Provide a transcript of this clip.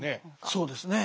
そうですね。